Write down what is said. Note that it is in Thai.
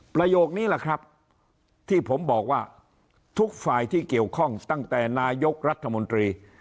ประโยคนี้แหละครับที่ผมบอกว่าทุกฝ่ายที่เกี่ยวข้องตั้งแต่นายกรัฐมนตรี